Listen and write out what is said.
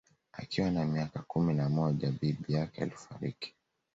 Akiwa na miaka kumi na moja bibi yake alifariki